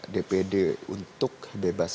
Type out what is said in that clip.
dpd untuk bebas